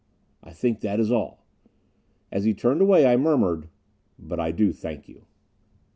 "I think that is all." As he turned away, I murmured, "But I do thank you...."